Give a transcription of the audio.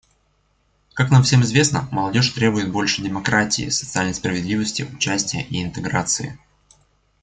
Как нам всем известно, молодежь требует больше демократии, социальной справедливости, участия и интеграции.